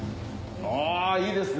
いいですね